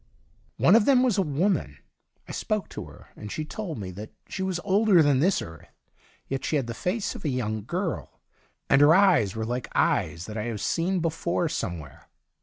One of them was a woman. I spoke to her, and she told me that she was older than this earth ; yet she had the face of a young gii 1, and her eyes were like eyes that I have seen before somewhere.